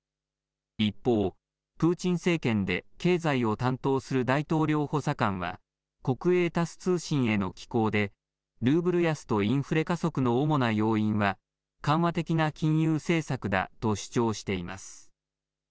一方、プーチン政権で経済を担当する大統領補佐官は国営タス通信への寄稿でルーブル安とインフレ加速の主な要因は緩和的な金融政策だと主張しています。